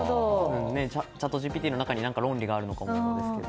チャットＧＰＴの中に論理があると思うんですけど。